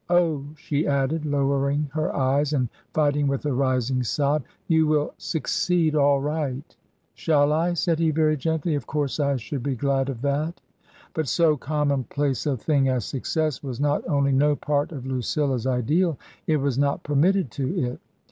" Oh,'* she added, lowering her eyes and fighting with a rising sob, " you will — succeed all right." " Shall I ?" said he, very gently ;" of course I should be glad of that." But so commonplace a thing as success was not only no part of Lucilla's ideal, it was not permitted to it.